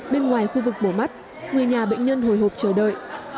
bên ngoài khu vực mổ mắt người nhà bệnh nhân hồi hộp chờ đợi